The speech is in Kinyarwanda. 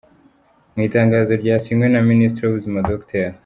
Mu itangazo ryasinywe na Minisitiri w’Ubuzima Dr.